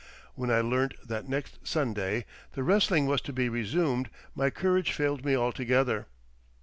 When I learnt that next Sunday the wrestling was to be resumed, my courage failed me altogether.